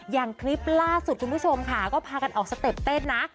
อย่างคลิปล่าสุดคุณผู้ชมค่ะก็พากันออกสเต็ปเต้นนะ